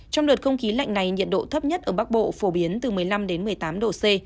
trong đợt không khí lạnh này nhiệt độ thấp nhất ở bắc bộ phổ biến từ một mươi năm đến một mươi tám độ c